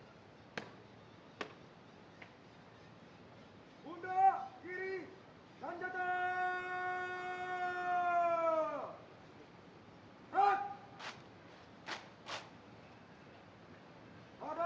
laporan komandan upacara kepada inspektur upacara